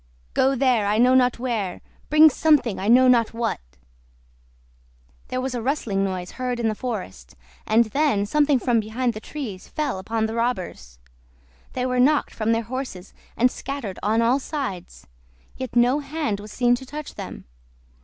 "Go there, I know not where; bring something, I know not what." There was a rustling noise heard in the forest, and then something from behind the trees fell upon the robbers. They were knocked from their horses, and scattered on all sides; yet no hand was seen to touch them.